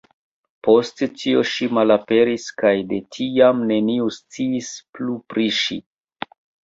Post tio, ŝi malaperis kaj de tiam neniu sciis plu pri ŝi.